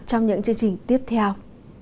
trong những chương trình tiếp theo